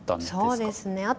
そうですね。